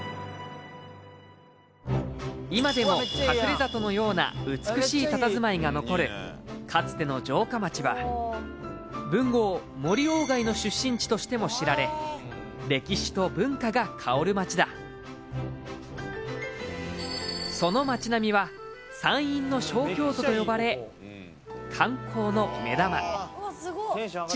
今でも隠れ里のような美しいたたずまいが残るかつての城下町は文豪・森鴎外の出身地としても知られ歴史と文化がかおる町だその町並みはと呼ばれ観光の目玉築